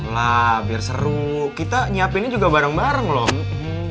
lah biar seru kita nyiapinnya juga bareng bareng loh